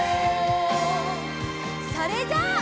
それじゃあ。